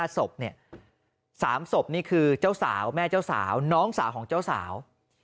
ศพเนี่ย๓ศพนี่คือเจ้าสาวแม่เจ้าสาวน้องสาวของเจ้าสาว